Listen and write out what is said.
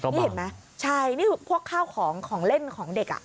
นี่เห็นไหมใช่นี่พวกข้าวของของเล่นของเด็กอ่ะ